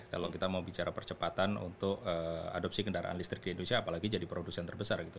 kalau kita mau bicara percepatan untuk adopsi kendaraan listrik di indonesia apalagi jadi produsen terbesar gitu